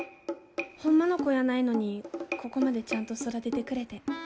ホンマの子やないのにここまでちゃんと育ててくれて。